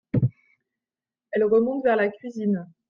Elle remonte vers la cuisine.